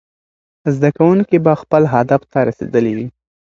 زده کوونکي به خپل هدف ته رسېدلي وي.